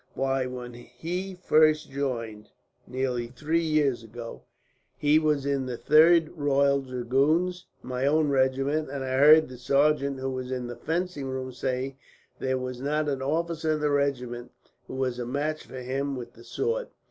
Why, when he first joined, nearly three years ago, he was in the 3rd Royal Dragoons, my own regiment; and I heard the sergeant who was in the fencing room say that there was not an officer in the regiment who was a match for him with the sword.